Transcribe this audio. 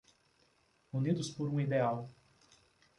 Unidos por um ideal